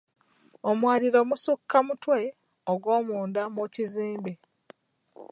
Omwaliiro musukka mutwe ogw'omunda mu kizimbe.